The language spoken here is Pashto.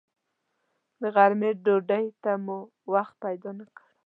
د غرمې ډوډۍ ته مو وخت پیدا نه کړ.